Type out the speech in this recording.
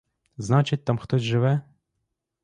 Значить, там хтось живе?